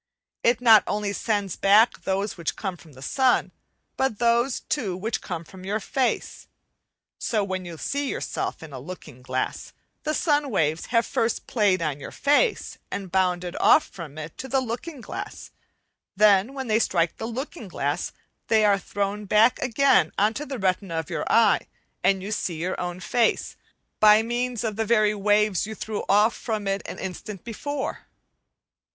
It not only sends back those which come from the sun, but those, too, which come from your face. So, when you see yourself in a looking glass, the sun waves have first played on your face and bounded off from it to the looking glass; then, when they strike the looking glass, they are thrown back again on to the retina of your eye, and you see your own face by means of the very waves you threw off from it an instant before.